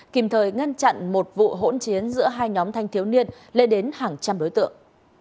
kịp thời ngăn chặn một vụ hỗn chiến giữa hai nhóm thanh thiếu niên lên đến hàng trăm đối tượng